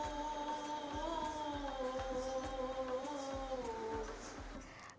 bagaimana cara menguasai irama